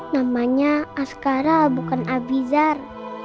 namanya askara bukan abizar